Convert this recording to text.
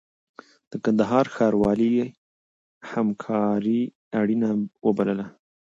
د کندهار ښاروالۍ همکاري اړینه وبلله.